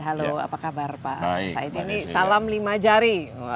halo apa kabar pak said ini salam lima jari